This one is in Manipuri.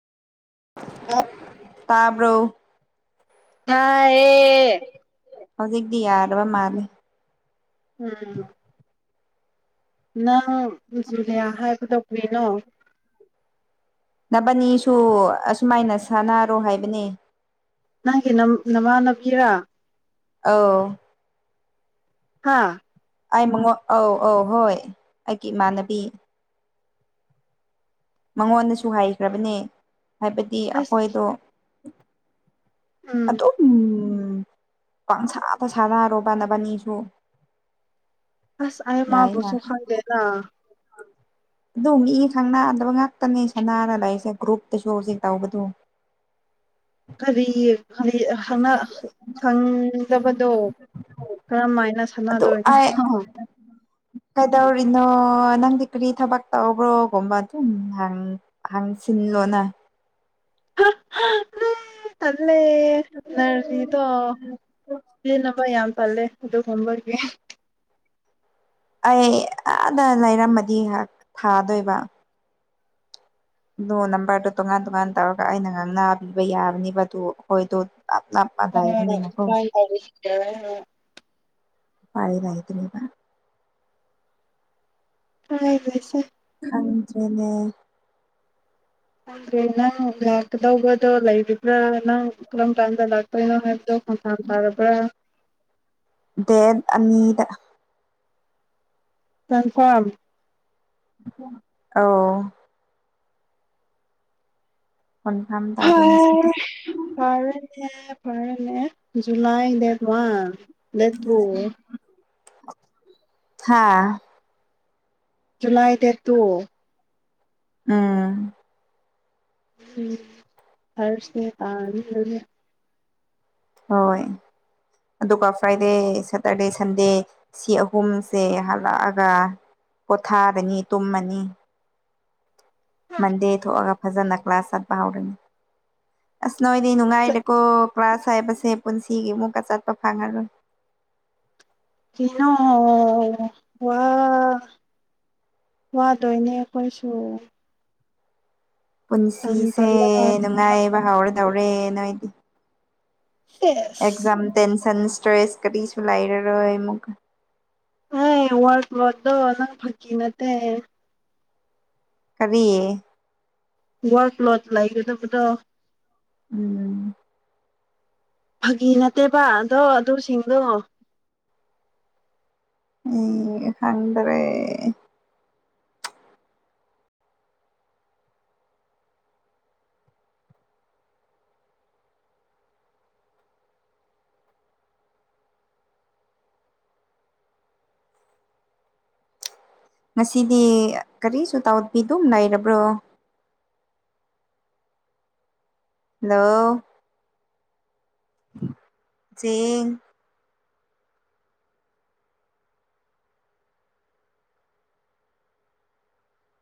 ꯑ ꯇꯕ꯭ꯔꯣ ꯍꯌꯦ ꯍꯧꯖꯤꯛꯇꯤ ꯌꯥꯔꯕ ꯃꯥꯜꯂꯦ ꯅ ꯨꯖꯨꯅꯦꯌꯥ ꯍꯥꯏꯕꯗ ꯑ ꯅꯚꯅꯤꯁꯨ ꯑꯁꯨꯃꯥꯏꯅ ꯁꯥꯟꯅꯔꯣ ꯍꯥꯏꯕꯅꯦ ꯅꯪꯒꯤ ꯅꯝ ꯅꯃꯥ ꯅꯕꯤꯔꯥ ꯑ ꯍꯥꯥ ꯑꯩ ꯃꯉ ꯑꯧ ꯑꯧ ꯍꯣꯏ ꯑꯩꯒꯤ ꯏꯃꯥꯟꯅꯕꯤ ꯃꯉꯣꯟꯗꯁꯨ ꯍꯥꯏꯈ꯭ꯔꯕꯅꯦ ꯍꯥꯏꯕꯗꯤ ꯑꯁ ꯑꯩꯈꯣꯏꯗꯣ ꯑꯗꯨ ꯑꯗꯨꯣ ꯎꯝ ꯎꯝ ꯄꯪꯁꯥꯗ ꯁꯥꯅꯔꯣꯕꯅꯕꯅꯤꯁꯨ ꯑꯁ ꯑꯩ ꯃꯥꯕꯨꯁꯣ ꯈꯪꯗꯦꯅ ꯑꯗꯨ ꯃꯤ ꯈꯪꯅꯗꯕ ꯉꯥꯛꯇꯅꯤ ꯁꯅꯥꯅ ꯂꯩꯔꯤꯁꯦ ꯒ꯭ꯔꯨꯞꯇꯁꯨ ꯍꯧꯖꯤꯛ ꯇꯧꯕꯗꯨ ꯀꯔꯤ ꯁꯪꯗꯕꯗꯣ ꯀꯔꯝꯃ ꯍꯥꯏꯅ ꯑꯗꯨ ꯁꯥꯟꯅꯗꯣꯏꯅꯣ ꯑꯩ ꯀꯩꯗꯧꯔꯤꯅꯣ ꯅꯪꯗꯤ ꯀꯔꯤ ꯊꯕꯛ ꯇꯧꯕ꯭ꯔꯣꯒꯨꯝꯕ ꯑꯗꯨꯝ ꯍꯍꯥꯡ ꯁꯤꯜꯂꯣꯅ ꯂ ꯅꯔꯤꯗꯣ ꯌꯦꯅꯕ ꯌꯥ ꯄꯜ ꯂꯦ [unintelligible] ꯍꯇ ꯀꯝꯕꯔ ꯀ ꯑꯩ ꯑꯥꯗ ꯂꯩꯔꯝꯃꯗꯤ ꯉꯍꯥꯛ ꯊꯥꯗꯣꯏꯕ ꯑꯗꯣ ꯅꯝꯕꯔꯗꯣ ꯇꯣꯉꯥꯟ ꯇꯣꯉꯥꯟ ꯇꯧꯔꯒ ꯑꯩꯅ ꯉꯥꯡꯅꯕꯤꯕ ꯌꯥꯕꯅꯦꯕ ꯑꯗꯨ ꯍꯣꯏꯗ [unintelligible] ꯄ ꯂꯏꯗꯔꯤꯕ ꯍꯥꯏꯥꯏꯁꯦ ꯈꯗ꯭ꯔꯦꯗ ꯑꯗꯨꯗ꯭ꯔꯦ ꯅ ꯂꯥꯛꯀꯗꯒꯗꯣ ꯂ ꯂꯩ ꯀꯔꯝ ꯆꯗ ꯗꯥꯛꯇꯔꯅ ꯍ ꯑꯣ ꯇꯔꯕ꯭ꯔ ꯗꯦꯟ ꯑꯅꯤꯗ꯫ ꯀꯟꯐꯥꯝ꯫ ꯑꯧ꯫ ꯀꯣꯟꯐꯥꯝ ꯇꯧꯔꯦꯅꯦꯁꯤꯗꯤ꯫ ꯐꯔꯦ ꯐꯔꯦ July. Date one date two. ꯍꯥꯥ꯫ July date two. ꯎꯝ꯫ ꯎꯝ [unintelligible] ꯍꯣꯏ ꯑꯗꯨꯒ ꯐ꯭ꯔꯥꯏꯗꯦ ꯁꯇꯔꯗꯦ ꯁꯟꯗꯦ ꯁꯤ ꯑꯍꯨꯝꯁꯦ ꯍꯜꯂꯛꯑꯒ ꯄꯣꯊꯥꯒꯅꯤ ꯇꯨꯝꯃꯅꯤ꯫ ꯃꯟꯗꯦ ꯊꯣꯛꯑꯒ꯫ ꯐꯖꯅ ꯀ꯭ꯂꯥꯁ ꯆꯠꯄ ꯍꯧꯔꯅꯤ ꯑꯁ ꯅꯣꯏꯗꯤ ꯅꯨꯡꯉꯥꯏꯔꯦꯀꯣ ꯀ꯭ꯂꯥꯁ ꯍꯥꯏꯕꯁꯦ ꯄꯨꯟꯁꯤꯒꯤ ꯑꯃꯨꯛꯀ ꯆꯠꯄ ꯐꯪꯉꯔꯣꯏ꯫ ꯀꯦꯅꯣ ꯋꯥ ꯋꯥꯗꯣꯏꯅꯦ ꯑꯩꯈꯣꯏꯁꯨ꯫ ꯇꯟ ꯄꯨꯟꯁꯤꯁꯦ ꯇꯜꯂꯒ ꯅꯨꯡꯉꯥꯏꯌꯦꯕ ꯍꯥꯎꯔ ꯇꯧꯔꯦꯅꯣꯏꯗꯤ꯫ ꯑꯦꯛꯖꯝ ꯁꯦꯁ ꯇꯦꯟ ꯁꯟ ꯁꯇ꯭ꯔꯦꯁ ꯀꯔꯤꯁꯨ ꯂꯩꯏꯔꯔꯣꯏ ꯑꯃꯨꯛ ꯑꯦ ꯋꯥꯔ ꯋꯥꯗꯣ ꯅꯪ ꯐꯥꯒꯤ ꯅꯠꯇꯦ꯫ ꯀꯔꯤ꯫ ꯋꯥꯔ꯭ꯗ ꯄ꯭ꯂꯣꯠ ꯂꯩꯒꯗꯥꯕꯗꯣ꯫ ꯎꯝ꯫ ꯐꯥꯒꯤ ꯅꯠꯇꯦꯕ ꯑꯗꯣ ꯑꯗꯨꯁꯤꯡꯗꯣ꯫ ꯎꯝ ꯍꯪꯗ꯭ꯔꯦ꯫ ꯉꯁꯤꯗꯤ ꯀꯔꯤꯁꯨ ꯇꯥꯎꯄꯤꯗꯨꯝ ꯂꯩꯔꯕ꯭ꯔꯣ꯫ ꯍꯥꯂꯣ ꯆꯤꯡ꯫